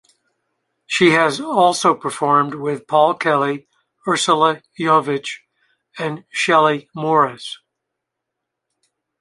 She has also performed with Paul Kelly, Ursula Yovich, and Shellie Morris.